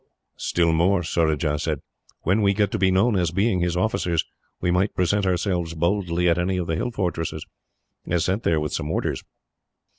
"Still more," Surajah said; "when we get to be known as being his officers, we might present ourselves boldly at any of the hill fortresses, as sent there with some orders."